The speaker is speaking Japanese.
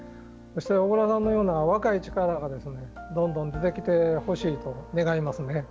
小倉さんのような若い力がどんどん出てきてほしいと願いますね。